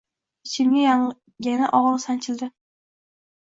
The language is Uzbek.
Ichimga yana og’riq sanchildi.